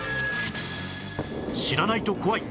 知らないと怖い！